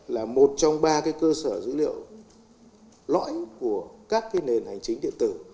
là một trong ba cái cơ sở dữ liệu lõi của các cái nền hành chính điện tử